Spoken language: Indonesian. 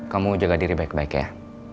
kamu jaga diri baik baik ya